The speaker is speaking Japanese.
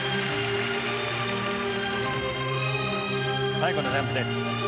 最後のジャンプです。